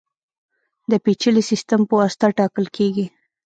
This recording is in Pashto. د پېچلي سیستم په واسطه ټاکل کېږي.